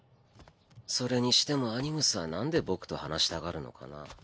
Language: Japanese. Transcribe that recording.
それにしてもアニムスはなんで僕と話したがるのかな？